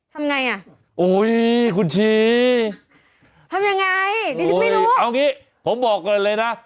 ทำไงอ่ะโอ้ยคุณชีทำยังไงดิฉันไม่รู้เอางี้ผมบอกก่อนเลยนะ